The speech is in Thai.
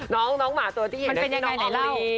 น้องหมาที่ไม่อันนี้เลย